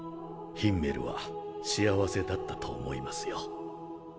ヒンメルは幸せだったと思いますよ。